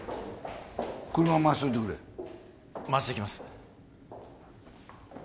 車回しといてくれ回してきます